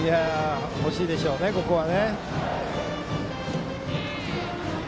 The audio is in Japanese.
欲しいでしょう、ここは。